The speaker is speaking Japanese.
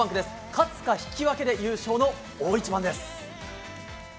勝つか引き分けで優勝の大一番です。